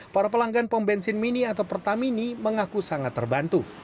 para pelanggan pom bensin mini atau pertamini mengaku sangat terbantu